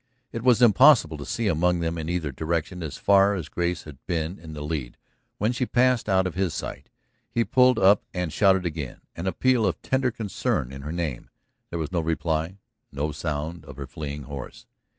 It was impossible to see among them in either direction as far as Grace had been in the lead when she passed out of his sight. He pulled up and shouted again, an appeal of tender concern in her name. There was no reply, no sound of her fleeing horse.